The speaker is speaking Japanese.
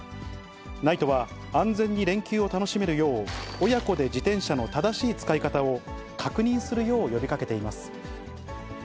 ＮＩＴＥは安全に連休を楽しめるよう、親子で自転車の正しい使い方を確認するよう呼びかけています。